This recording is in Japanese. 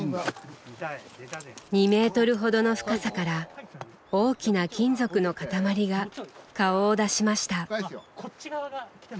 ２メートルほどの深さから大きな金属の塊が顔を出しました。